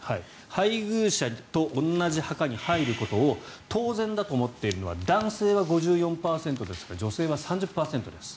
配偶者と同じ墓に入ることを当然だと思っているのは男性は５４％ですが女性は３０％です。